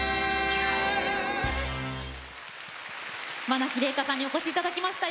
愛希れいかさんにお越しいただきました。